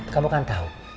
kamu kan tau